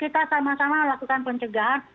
kita sama sama lakukan pencegahan